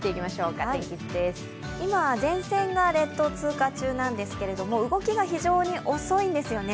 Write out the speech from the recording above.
今、前線が列島を通過中なんですけれども動きが非常に遅いんですよね。